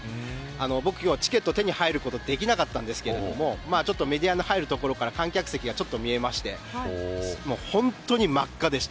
僕、今日はチケットを手に入れることができなかったんですけどメディアの入る所から観客席がちょっと見えまして本当に真っ赤でした。